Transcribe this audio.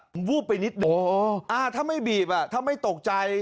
ผมวูบไปนิดนึงถ้าไม่บีบถ้าไม่ตกใจ